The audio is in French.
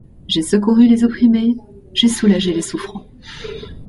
J’ai secouru les opprimés, j’ai soulagé les souffrants.